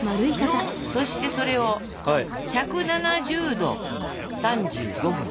そしてそれを１７０℃３５分。